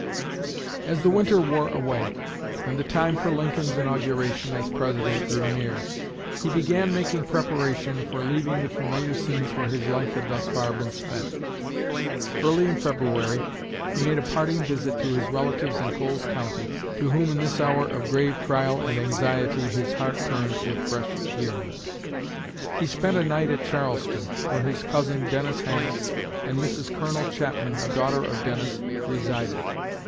As the winter wore away, and the time for Lincoln's inauguration as President drew near, he began making preparation for leaving the familiar scenes where his life had thus far been spent. Early in February he made a parting visit to his relatives in Coles County, to whom in this hour of grave trial and anxiety his heart turned with fresh yearning. He spent a night at Charleston, where his cousin Dennis Hanks, and Mrs. Colonel Chapman, a daughter of Dennis, resided.